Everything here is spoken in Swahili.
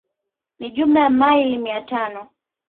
Ni jumla ya maili mia tano